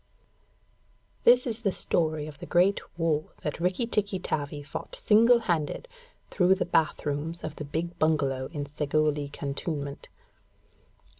_) This is the story of the great war that Rikki tikki tavi fought single handed, through the bath rooms of the big bungalow in Segowlee cantonment.